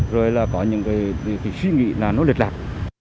rồi là không thờ cúng tổ tiên